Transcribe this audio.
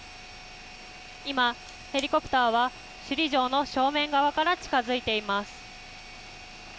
今、ヘリコプターは首里城の正面側から近づいています。